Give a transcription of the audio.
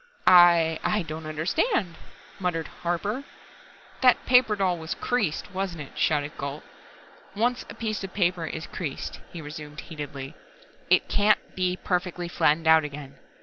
"I I don't understand," murmured Harper. "That paper doll was creased, wasn't it?" shouted Gault. "Once a piece of paper is creased," he resumed heatedly, "it can't be perfectly flattened out again.